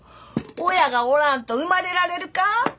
親がおらんと生まれられるか？